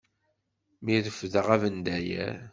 Mi refdeɣ abendayer.